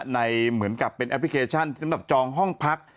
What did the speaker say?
เหมือนกับเป็นแอปพลิเคชันสำหรับจองห้องพัก